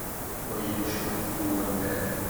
Ḥwajen cwiṭ n uwelleh.